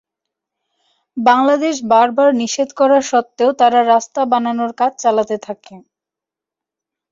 বাংলাদেশ বারবার নিষেধ করা সত্ত্বেও তারা রাস্তা বানানোর কাজ চালাতে থাকে।